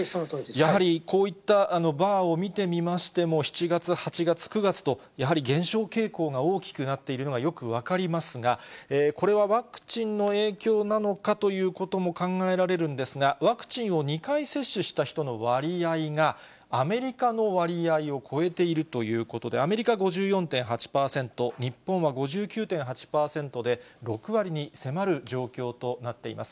やはりこういったバーを見てみましても、７月、８月、９月と、やはり減少傾向が大きくなっているのがよく分かりますが、これはワクチンの影響なのかということも考えられるんですが、ワクチンを２回接種した人の割合が、アメリカの割合を超えているということで、アメリカ５４．８％、日本は５９．８％で、６割に迫る状況となっています。